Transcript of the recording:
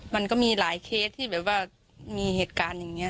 มันก็มีหลายเคสที่แบบว่ามีเหตุการณ์อย่างนี้